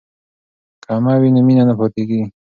که عمه وي نو مینه نه پاتیږي.